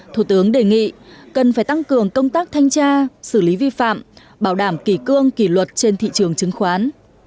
thủ tướng đề nghị cần phải tăng cường công tác thanh tra xử lý vi phạm bảo đảm kỷ cương kỷ luật trên thị trường chứng khoán